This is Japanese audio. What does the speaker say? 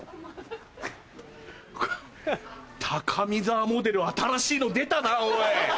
高見沢モデル新しいの出たなおい！